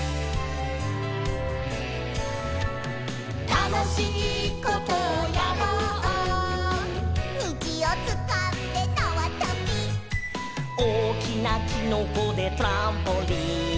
「たのしいことをやろう」「にじをつかんでなわとび」「おおきなキノコでトランポリン」